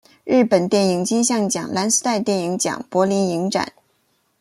日本电影金像奖蓝丝带电影奖柏林影展